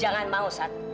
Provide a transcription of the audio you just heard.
jangan mau sat